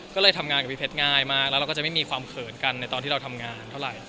ก็เลยทำงานกับพี่เพชรง่ายมากแล้วเราก็จะไม่มีความเขินกันในตอนที่เราทำงานเท่าไหร่